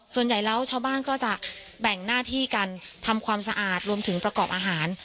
ส่วนใหญ่แล้วชาวบ้านก็จะแบ่งหน้าที่กันทำความสะอาดรวมถึงประกอบอาหาร